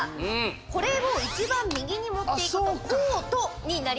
これを一番右に持っていくとコートになります。